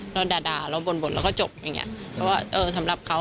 เราด่าเราบ่นเราก็จบอย่างเงี้ยเพราะว่าเออสำหรับเขา